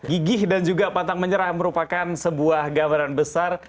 gigih dan juga pantang menyerah merupakan sebuah gambaran besar